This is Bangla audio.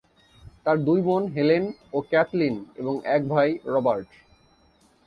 তার দুই বোন হেলেন ও ক্যাথলিন এবং এক ভাই রবার্ট।